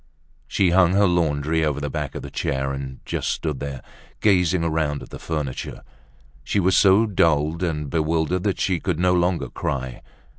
She hung her laundry over the back of a chair and just stood there, gazing around at the furniture. She was so dulled and bewildered that she could no longer cry.